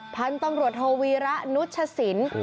พันธุ์ตำรวจโทวีระนุชสิน